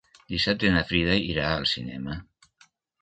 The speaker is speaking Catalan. Dissabte na Frida irà al cinema.